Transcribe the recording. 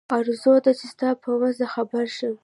آرزو ده چې ستا په وضع خبر شم.